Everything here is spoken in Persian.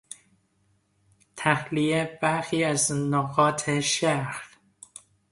تخلیهی برخی از نقاط شهر